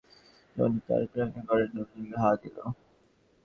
একটি পারসী কবিতায় বর্ণিত আছে, জনৈক প্রণয়ী তার প্রণয়িনীর ঘরের দরজায় ঘা দিল।